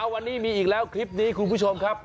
วันนี้มีอีกแล้วคลิปนี้คุณผู้ชมครับ